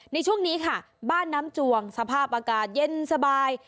ในช่วงนี้ค่ะบ้านน้ำจวงสภาพอากาศเย็นสบาย